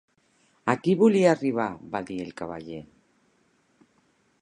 "Aquí volia arribar", va dir el cavaller.